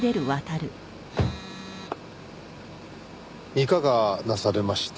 いかがなされました？